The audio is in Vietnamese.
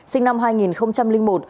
sinh năm hai nghìn một